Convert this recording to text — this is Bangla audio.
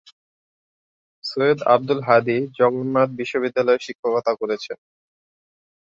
সৈয়দ আব্দুল হাদী জগন্নাথ বিশ্ববিদ্যালয়ে শিক্ষকতা করেছেন।